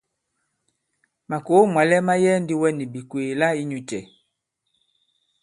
Màkòo mwàlɛ ma yɛɛ ndi wɛ nì bìkwèè la inyūcɛ̄?